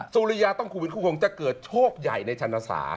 สุริยาต้องไปผู้ฆ่องจะเกิดโชคใหญ่ในชนศา